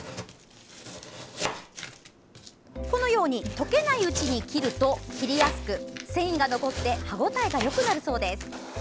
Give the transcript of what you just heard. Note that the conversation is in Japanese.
解けないうちに切ると切りやすく繊維が残って歯応えがよくなるそうです。